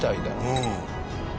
うん。